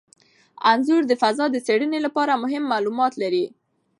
انځور د فضا د څیړنې لپاره مهم معلومات لري.